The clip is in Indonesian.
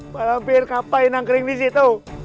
pak lampir kenapa nangkering di situ